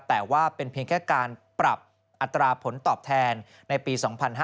แต่ว่าเป็นเพียงแค่การปรับอัตราผลตอบแทนในปี๒๕๕๙